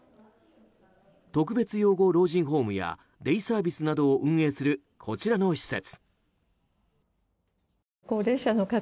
特別養護老人ホームやデイサービスなどを運営するこちらの施設。